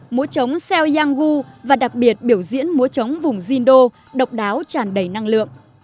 múa trống xeo yang gu và đặc biệt biểu diễn múa trống vùng jindo độc đáo tràn đầy năng lượng